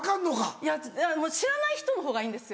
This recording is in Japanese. いやもう知らない人のほうがいいんですよ。